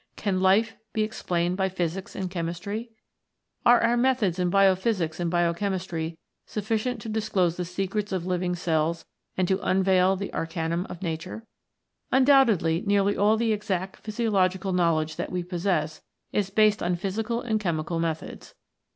Can Life be explained by Physics and Chemistry ? Are our 6 BIOLOGY AND CHEMISTRY methods in Biophysics and Biochemistry sufficient to disclose the secrets of living cells and to unveil the arcanum of Nature ? Undoubtedly nearly all the exact physiological knowledge that we possess is based on physical and chemical methods.